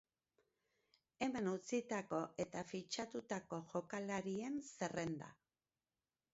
Hemen utzitako eta fitxatutako jokalarien zerrenda.